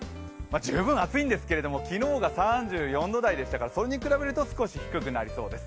十分暑いんですけれども昨日が３４度台でしたからそれに比べると少し低くなりそうです。